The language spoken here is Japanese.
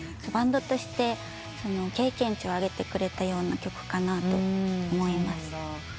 バンドとして経験値を上げてくれたような曲かなと思います。